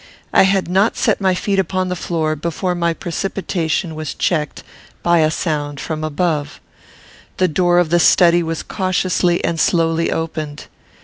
I had not set my feet upon the floor before my precipitation was checked by a sound from above. The door of the study was cautiously and slowly opened.